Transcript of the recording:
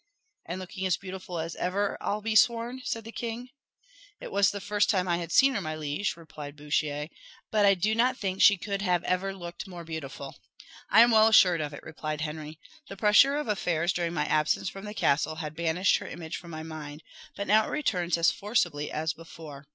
"And looking as beautiful as ever, I'll be sworn!" said the king. "It was the first time I had seen her, my liege," replied Bouchier; "but I do not think she could have ever looked more beautiful." "I am well assured of it," replied Henry. "The pressure of affairs during my absence from the castle had banished her image from my mind; but now it returns as forcibly as before.